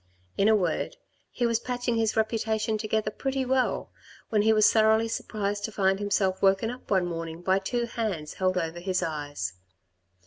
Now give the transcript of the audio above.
In a word he was patching his reputation together pretty well, when he was thoroughly surprised to find himself woken up one morning by two hands held over his eyes.